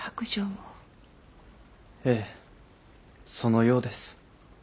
ええそのようです。